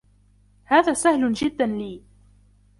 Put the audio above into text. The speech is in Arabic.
هذا سَهلٌ جِداً لي